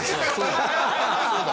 そうだ。